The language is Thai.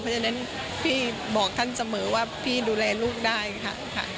เพราะฉะนั้นพี่บอกท่านเสมอว่าพี่ดูแลลูกได้ค่ะ